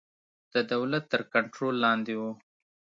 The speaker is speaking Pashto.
د دولت تر کنټرول لاندې وو.